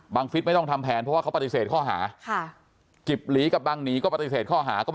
บางลิฟต์ไม่ต้องทำแผนเพราะว่าเขาปฏิเสธข้อหา